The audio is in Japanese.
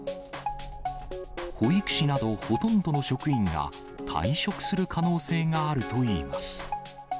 保育士などほとんどの職員が退職する可能性があるといいます。